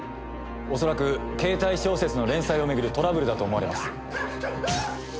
恐らくケータイ小説の連載を巡るトラブルだと思われます。